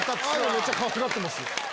めっちゃかわいがってますよ。